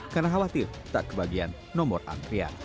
karena khawatir tak kebagian nomor antrean